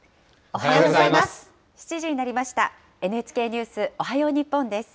おはようございます。